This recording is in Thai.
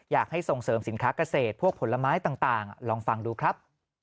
ส่งเสริมสินค้าเกษตรพวกผลไม้ต่างลองฟังดูครับ